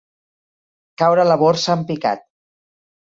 Caure la borsa en picat.